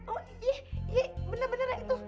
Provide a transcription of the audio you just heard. oh iya benar benar itu